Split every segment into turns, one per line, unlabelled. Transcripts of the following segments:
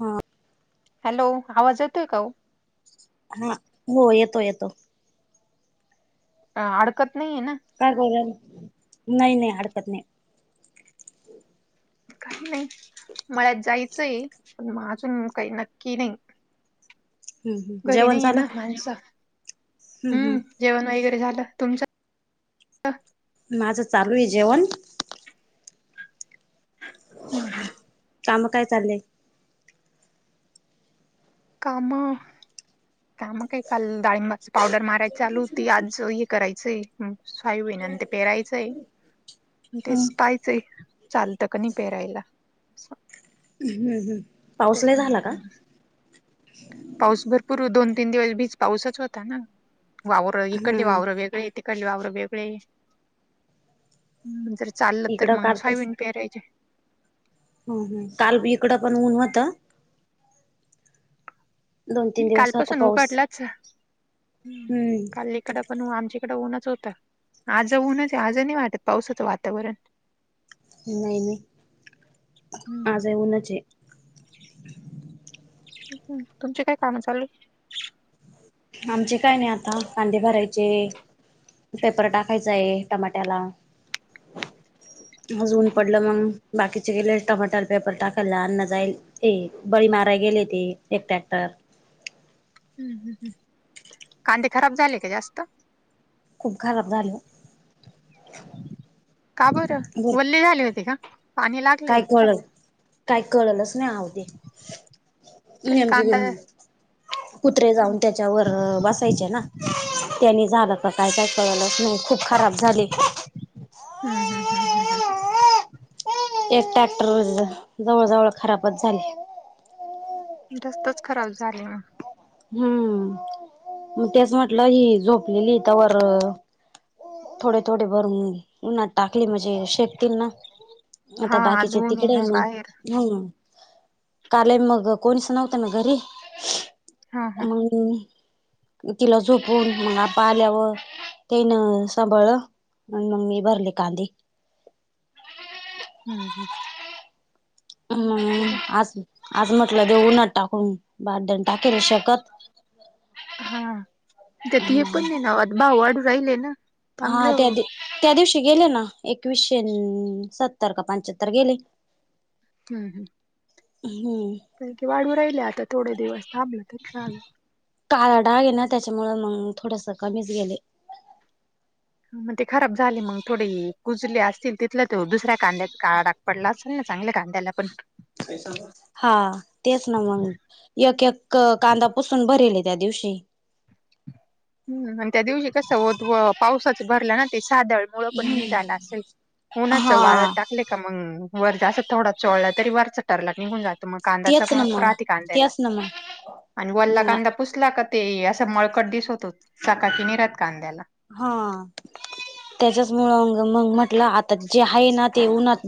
हा.
हॅलो आवाज येतोय का?
हा हो येतो येतो.
अ अडकत नाहीये ना.
का ब नाही नाही हडकत नाही.
काही नाही मला जायचंय पण अजून काही नक्की नाही.
हम्म हम्म
घरी
जेवण
नाही ये
झालं
ना माणसं हम्म. जेवण वगैरे झालं तुमच?
माझं चालू आहे जेवण.
हम हम
काम काय चाललंय.
काम
[unintelligible]
का मग का काल डाळंबाच पावडर माराय चालू होती आज हे करायचं स्यबहिनं ते पेरायचंय
हम्म
तेच पाहायचंय चालतं क नाही पेरायला.
हम्म हम्
च्या पाऊस भरपूर दोन तीन दिवस बीज पाऊसच होता ना. वावरं इकडले
हम्म
वावरं वेगळे तिकडले वावरं वेगळे. जर चालल तर
इकडं
मग
काल
सायबन पेरायचे
हो ह काल इकडं पण ऊन होतं. दोन तीन दिवस होता
कालपासून
पाऊस
उघडलाच
हम्म
काल इकड. पण आमच्याकडें ऊनच होत आज ऊनच आहे. आज नाही वाटत पावसाचं वातावरण
नाही नाही
हम्म.
आज येऊनच आहे.
् तुमची काय काम चालू
आमचे काय नाही. आता कांदे भरायचे. पेपर टाकायचाय टमाट्याला अजून पडलं मग बाकीचे गेले टमाटर पेपर टाकायला अन्न जाईल ए बळी मारायला गेले ते एक टॅक्टर.
हम्म हम् ह् कांदे खराब झाले का जास्त.
खूप खराब झालं.
का बर वल्ली झाली होती का. पाणी
काय
लागलंय का
कळल काय कळलच नाही अवदी.
कांदा
[unintelligible] कुत्रे
हम्म
जाऊन त्याच्यावर बसायचे ना. त्यांनी झालं का काय काय कळलंच नाही खूप खराब झाली.
हम् हम हम हम हम
एक ट्रॅक्टर जवळ जवळ खराबच झाले.
जास्तच खराब झालं ना
हम्म मग तेच म्हटलं हि झोपलेली तवर थोडे थोडे भरून उन्हात टाकली म्हणजे शे त ना
हा
आता
आज
बाकीचे
ऊन
तिकडे
ना
आहे.
बाहेर
मग हम कालय मग कोणीच नव्हतं ना घरी
हा हा
अ् तिला झोपून मग पा आल्यावर तेन त्वा मुळे मंग मी भरले कांदे
हम् ह.
ह आज आज म्हटलं देऊ उन्हात टाकून बारदान. टाकेल शकेत.
भाऊ वाडू राहिले ना- चांगले
हा त्या दि त्या दिवशी गेले ना एकवीसशे सत्तर का पंच्याहत्तर गेले.
हम् हम्.
हम्म.
पण ते वाढू राहिले आता थोडे दिवस थांबले तरी चालेल.
काळा डाग आहे ना त्याच्यामुळे मग थोडस कमीच गेले.
ह मग ते खराब झाले मग थोडे कुजले असतील तिथलं ते दुसऱ्या कांद्या काळा डाग पडला असेल ना चांगल्या कांद्याला पण
हा तेच ना मग, एक एक कांदा पुसून भरेल ये त्या दिवशी.
ह आणि त्या दिवशी कसं होत पावसाच भरला ना, ते सादळ मुळ पण नि झाला असेल उन्हाचा वाळत
हा
टाक. का मग वर च थोडा चोळला तरी वरच टरला निघून जात. मग कांदा
तेच ना
चमक
मग
राहती कांद्याला
तेच ना मग
आणि वल्ला
मग
कांदा पुसला का ते असं मळकट दिसतो चकाकि नाही राहात कांद्याला.
हा त्याच्याच मुळ मग म्हटलं आ तर जे आहे ना ते उन्हात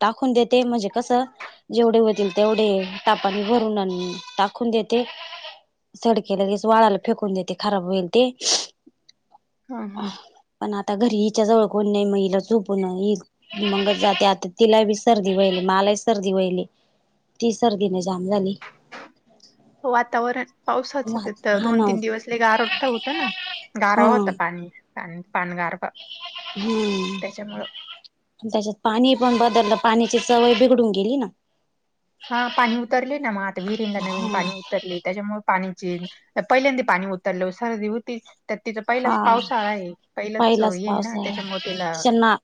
टाकून देते म्हणजे कसं जेवढे होतील तेवढे तापाने भरून आणी टाकून देते. सडकेलगेच वाड्याला फेकून देते खराब होईल ते
हं हं
पण आता घरी हिच्या जवळ कोण नाही मग हिला झोपून येईल. मगच जाते आता तिला बी सर्दी होईलये मलाही सर्दी होईल ये. ती सर्दीने जाम झाली.
वातावरण. पावसाचं तथ
हा
दोन
ना
तीन दिवस लई गारठ होतं ना
हा
गारवा होता पाणी प पणगार
हम्म. त्याच्यात पाणी पण बदललं पाण्याची चव ही बिघडून गेली ना
हा पाणी उतरले ना म आता विहिरींना नवीन पाणी उतरली त्याच्यामुळे पाणी चेंज त पहिल्यांदा पाणी उतरलं सरदी हूतीच. तर तिचां पहिलाच
हा
पावसाळा आहे पहिलंच हे ना त्याच्यामुळे तिला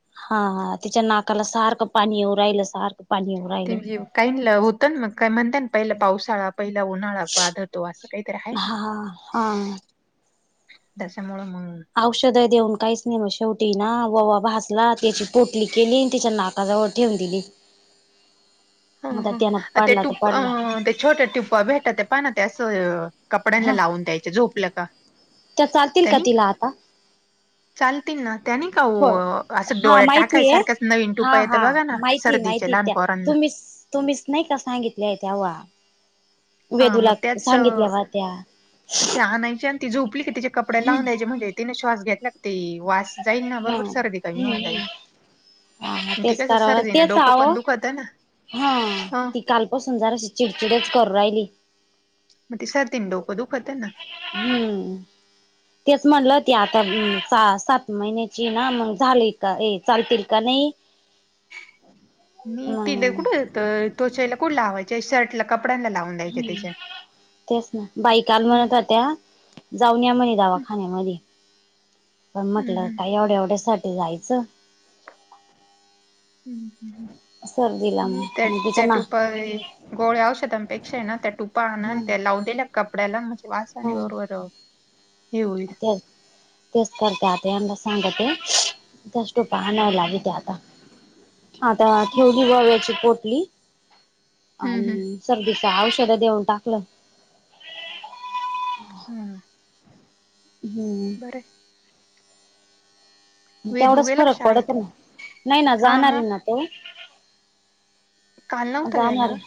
हा हा तिच्या नाकाला सारखं पाणी येऊ राहिल सारखं पाणी येऊ राहील.
ते काहीना होतं ना मग का म्हणता ना पहिला पावसाळा पहिला उन्हाळा बाध तो असं काही तरी आहे ना.
हा हा.
त्याच्यामुळ मग
औषद देऊन काईच नाही शेवटी ना ववा भासला त्याची पोटली केली त्याच्या नाक जवळ ठेवून दिली.
ह
मग त्यान
ह ते
पडला तर
टूप
पडला
अं ते छोट्या टिपाॅ भेटतात पाना ते असं कपड्यांना
हा
लावून द्यायचं झोपलं का.
त्या चालतील का तिला आता
चालती ना. त्यानी का ओ
थोड
असं
हा
डोळ्यात
माहितीय
टाकायसारखच नवीन
हा
टुपा येत
हा
बघा ना
माहिती
सर्दीचे
माहिती
लहान
त्या
पोरांना
तुम्हीच तुम्हीच नाही का सांगितलेय त्याव्हा.
हा म त्याच
होत्या
त्या आणायच्यात ती झोपली कि तिचे कपडे लावून द्यायचे म्हणजे तिने श्वास [unintelligible] वास जाईल ना बरोबर
हम्म.
सर्दी कमी होऊन जाईल.
हा
ठीक
तेच करावं
सर्दी ना
तेच
डोकं
आहो
पण दुखतय ना
हा
हो
ती कालपासून जराशी चिडचिडच करू राहिली.
म ती सर्दिन डोक दुखतय ना.
हम्म तेच म्हणलं ती अं आता सा सात महिन्याचीय ना मग झाली का एक चालतील का नई
मी तिले कुठं तं तोचैला कुट लावायच्या शर्ट ला कपड्यांला लाव.
हम्म तेच ना बाई काल‌
हम्म
म्हणत होत्या जाऊन या म्हणे दावाखान्यामध्ये पण म्हटलं
हम्म
काय एवड्या एवड्या साठी जायचं.
ह्
सर्दीला
मी त्या
मग तिच्या
त्या
ना
टुपाय गोळ्या औषधांपेक्षाय ना त्या टुपा आणा
हम्म
त्या लावून दिल्या कपड्याला म वासाणी
हम्म
बरोबर. हे होईल.
[inaudible] तेच करते आता यांला सांगते त्यास टोप्या आनाय लाविते आता. आता ठेवली
हम्म
बव्याची पोटली
हम्म हम्म.
आणि सर्दीच औषधं देऊन टाकलं.
हम्म
हम्म्
[unintelligible] वेदू
तेवडच
गेला का
फरक
शाळेत?
पडत ना नाही ना
हा
जाणारी
मग
ना ते
काल नव्हता गेला
जाणारे
का?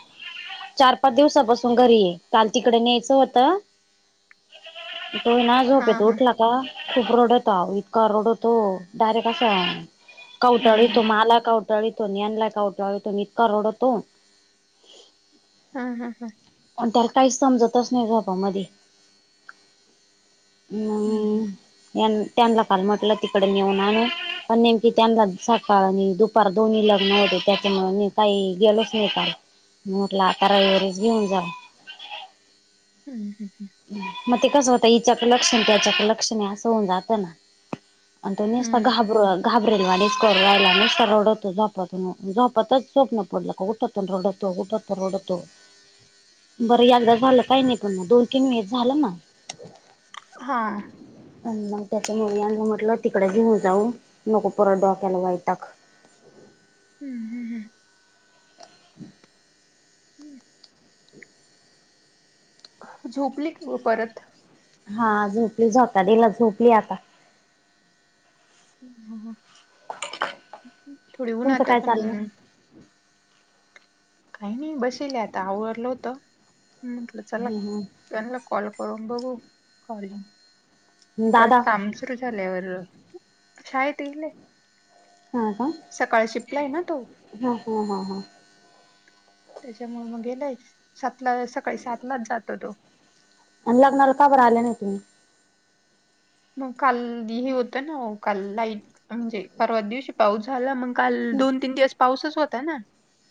चार पाच दिवसापासून घरी ये काल तिकड न्यायचं होतं तो ना
हा
झोपेत
हा
उठला. ता खूप रोडता इतका रोडतो डायरेक्ट असा
हम्म हम्म
कवटाळितो माला कवटाळितो ज्ञानला कावटाळितो इतका रडतो.
हा हा हा
आणि त्याला काहीच समजतच नाही झोपा मध्ये.
हम्म हम्म
हम् त्यांला काल म्हटलं तिकड नेऊन आणू पण नेमकी त्यांना सकाळ नी दु पार दोन्ही लग्न होते त्याच्यामुळे मी काही गेलोच नाही काल. म्हंटल आता रविवारीच घेऊन जावं.
हम् हम हं
मग ते कसं होतं हिच्याक लक्ष त्याच्याक लक्षण आहे असं होऊन जात ना. अन ते नेस्ता
हम्म.
घाबरवा. घाबरेल आणि कर राहिला आणि सड होतो झोपून झोपातच झोप्ं पडलं. ठतो रडतो उठतो रडतो बरं यंदा झालं काई नई पग दोन की म झालं मग
हा
मग त्याच्या मुलींना म्हटलं तिकडें घेऊन जाऊन नको परत डोकॅला वयताक.
हम्म- हम्म -हम्म.
[inaudible]
हम्म झोपली का मग परत?
हा झोपली, झोका दिला झोपली आता.
हम्म -हम्म थोडी
तुमचं
ऊनाटा
काय
[unintelligible] पण
चाललं
काही नाही बशिले आता आवरलं होत, म्हटलं चला
ह ह
त्यांनला कॉल करून बघू कॉलिंग
दादा
परत काम सूरु झाल्यावर. शाळेत इले [unintelligible]
हा का?
शिफ्टला आहे ना तो
हा- हा-हा- हा.
त्याच्यामुळे मग गेलाय सातला सकाळी सातलाच जातो तो.
आणि लग्नाला का बर आल्या नाही तम्ही?
मग काल हे होतं ना काल लाईट म्हणजे परवा दिवशी पाऊस झाला मग काल
हम्म
दोन, तीन दिवस पाऊसच होता ना.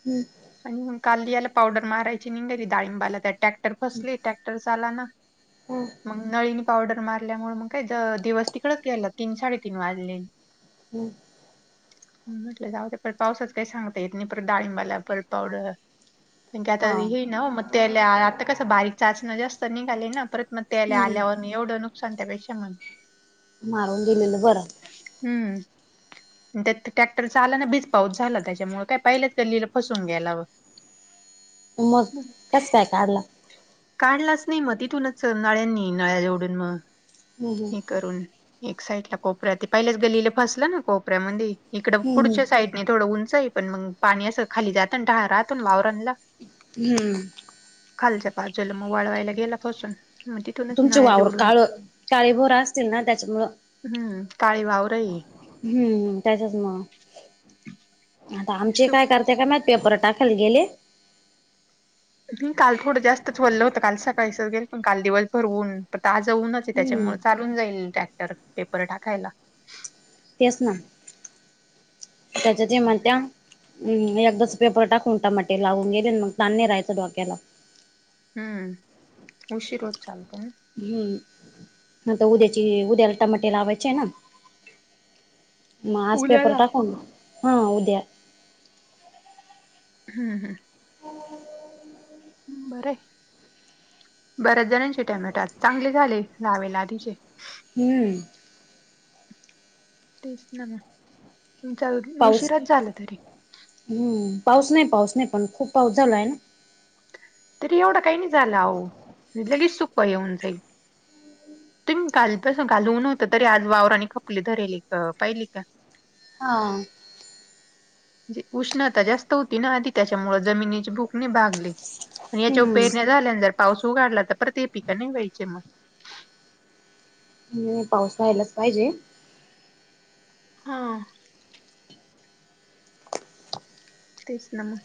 हम्म
आणि कालली याला पावडर मारायची नि घरी डाळिंबाला त्या ट्रॅक्टर फसली, ट्रॅक्टर चालाना.
हम्म
मग नळीनी पावडर मारल्यामुळे मग कायज दिवस तिकडच गेला तीन, साडेतीन वाजले.
हम्म [inaudible]
हम्म म्हटलं जाऊद्या परत पावसाच काही सांगता येत नाही, परत डाळिंबाला परत पावडर कारण की आता
हा
हे नव्ह मग त्याले आता कसं बारीक चाचण्या जास्त निघाले ना परत म त्याले
हम्म
आल्यावर एवढं नुकसान त्यापेक्षा म्हण
मारून दिलेलं बरं.
हम्म त्यात ट्रॅक्टर चालना बीज पाऊस झाला त्याच्यामुळे काय पाहिलंच गल्लीला फसून गेलाव.
[inaudible] मग कस काय काढला?
काढलाच नाही मग तिथूनच नळ्यांनी नळ्याजूडून मग
हम्म हम्म
हे करून, एक साईडला कोपऱ्या ते पहिल्याच गल्लीला फसलं ना कोपऱ्यामध्यी. इकडं
हम्म
पुढच्या साईडने थोडं उंच आहे पण मग पाणी असं खाली जात राहत वावरांला.
हम्म
खालच्या बाजूला मग वाळवायला गेला फसून मग तिथूनच नळ्या जोडून
काळीभोर असतील ना त्याच्यामुळं.
हम्म काळी वावरयेत.
हम्म, त्याच्याचमुळ. आता आमचे
सु-
काय करते काय माहित पेपर टाकाला गेले.
हम्म काल थोडं जास्तच वल्ल होतं, काल सकाळीच गेलत काल दिवस भर ऊन. बट आज ऊनचये
हम्म
त्याच्यामुळ चालून जाईल ट्रॅक्टर पेपर टाकायला.
तेच ना, त्याच्यात हे म्हणत्या. हम्म एकदाच पेपर टाकून टामाटे लावून गेले मग तान नाही राहायचा डोक्याला.
हम्म उशीर होत चालते ना.
हम्म [inaudible] ह तर उद्याची -उद्याला टमाटे लावायचे ना. म आज पेपर
उल्याला
टाकून, हा उद्या.
हम्म -हम्म
हम [inaudible]
बरय. बऱ्याच जणांचे टमॅट चांगले झाले लावेला आधीचे
हम्म
तेच ना म तुमचा
पाऊस
उशीराच झाला तरी
हम्म पाऊस नाही पाऊस नाही पण खूप पाऊस झाला आहे ना
तरी एवढा काही नाही झाला हो म्हे लगेच सुकवा येऊन जाईल तुम्ही घालस घालून नव्हत तरी आज वावर आणि खपली धरली का पाहिली का
हा
उष्णता जास्त होती ना आधी त्याच्यामु जमिनीची भूकने भागली आणि याच्या
हम्म
उपेरण्या झाल्यानंतर पाऊस उघाडला तर परत ते पिका नाही व्हायचे मग
म्हणज पाऊस रा्हायलाच पाहिजे
हा तेच ना म.